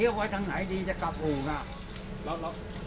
ไม่ได้ถ่ายกันนะเพราะว่าปิดกล้อง